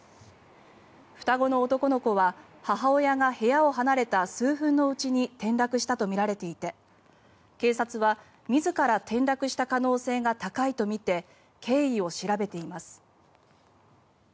双子の男の子は母親が部屋を離れた数分のうちに転落したとみられていて警察は自ら転落した可能性が高いとみて経緯を調べています。